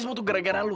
semua tuh gara gara lu